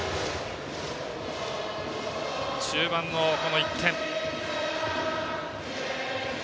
中盤の、この１点。